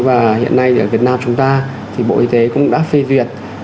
và hiện nay ở việt nam chúng ta thì bộ y tế cũng đã phê duyệt